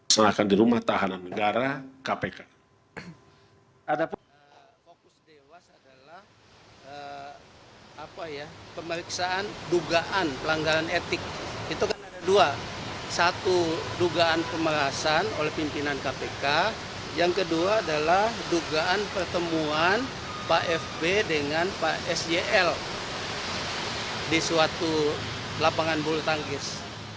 yang kedua adalah dugaan pertemuan pak fb dengan pak syl di suatu lapangan bulu tangkis